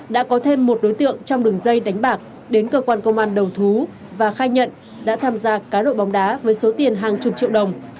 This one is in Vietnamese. đã có thêm một đối tượng trong đường dây đánh bạc đến cơ quan công an đầu thú và khai nhận đã tham gia cá độ bóng đá với số tiền hàng chục triệu đồng